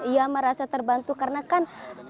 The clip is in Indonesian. ia merasa terbantu karena kan